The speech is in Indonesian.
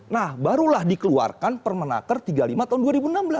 nah barulah dikeluarkan permenaker tiga puluh lima tahun dua ribu enam belas